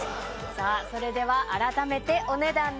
さあそれではあらためてお値段です。